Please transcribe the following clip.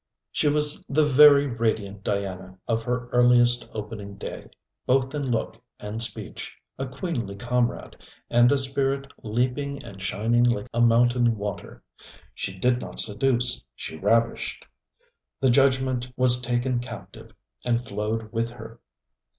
She was the very radiant Diana of her earliest opening day, both in look and speech, a queenly comrade, and a spirit leaping and shining like a mountain water. She did not seduce, she ravished. The judgement was taken captive and flowed with her.